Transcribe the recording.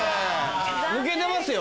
抜けてますよ。